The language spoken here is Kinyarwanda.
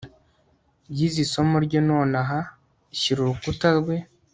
yize isomo rye nonaha, shyira urukuta rwe